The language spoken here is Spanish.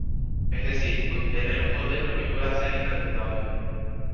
Es decir, obtener un modelo que pueda ser interpretado.